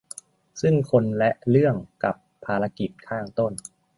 ซึ่งคนและเรื่องกับภารกิจข้างต้น